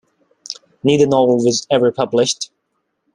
Neither novel was ever published.